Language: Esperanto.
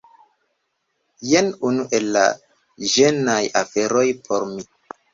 Jen unu el la ĝenaj aferoj por mi